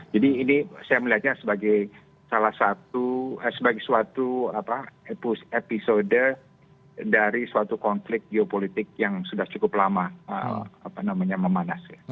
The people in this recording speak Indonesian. jadi ini saya melihatnya sebagai salah satu sebagai suatu episode dari suatu konflik geopolitik yang sudah cukup lama memanas